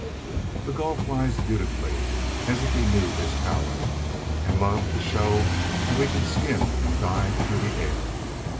The Gull flies beautifully, as if he knew his power, and loved to show how he can skim and dive through the air.